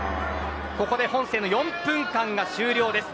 ここで本戦の４分間が終了です。